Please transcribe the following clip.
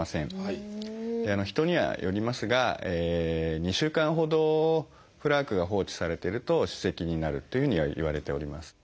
人にはよりますが２週間ほどプラークが放置されてると歯石になるというふうにはいわれております。